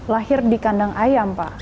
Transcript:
lahir di kandang ayam pak